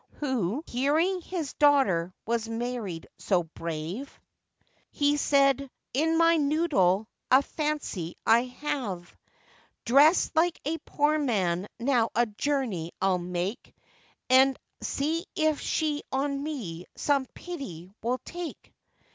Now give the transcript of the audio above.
Who hearing his daughter was married so brave, He said, 'In my noddle a fancy I have; Dressed like a poor man now a journey I'll make, And see if she on me some pity will take.